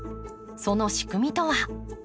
その仕組みとは？